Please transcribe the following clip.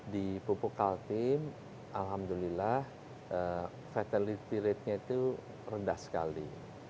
di pupuk kaltim alhamdulillah fatality ratenya itu rendah sekali